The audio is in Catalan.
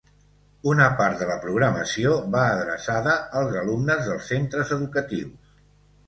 Una part de la programació va adreçada als alumnes dels centres educatius.